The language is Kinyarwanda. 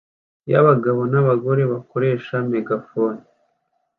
y'abagabo n'abagore bakoresha megafone